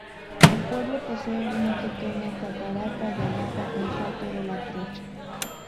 El pueblo posee una pequeña catarata llamada "El salto de la trucha".